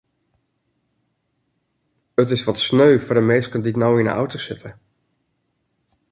It is wat sneu foar de minsken dy't no yn de auto sitte.